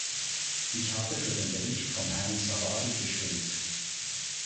Ich habe für den Bericht von Herrn Savary gestimmt.